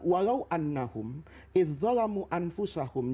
walau annahum idh dhalamu anfusahum